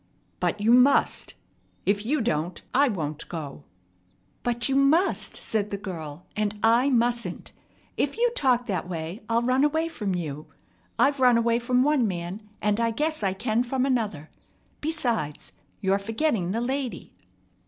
"But you must. If you don't, I won't go." "But you must," said the girl, "and I mustn't. If you talk that way, I'll run away from you. I've run away from one man, and I guess I can from another. Besides, you're forgetting the lady."